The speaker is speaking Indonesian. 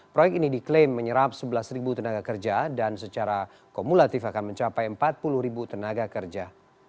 proyek ini diklaim menyerap sebelas tenaga kerja dan secara kumulatif akan mencapai empat puluh ribu tenaga kerja